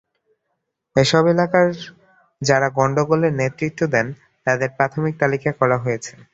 এসব এলাকায় যাঁরা গণ্ডগোলের নেতৃত্ব দেন, তাঁদের প্রাথমিক তালিকা করা হয়েছে।